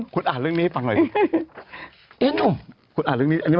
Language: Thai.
คุณอ่านเรื่องนี้ให้ฟังหน่อย